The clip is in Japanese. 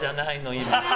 今。